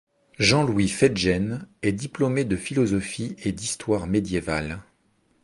Jean-Louis Fetjaine est diplômé de philosophie et d'histoire médiévale.